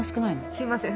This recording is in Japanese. すいません。